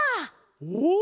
お！